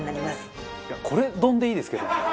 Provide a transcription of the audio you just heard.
これ丼でいいですけど。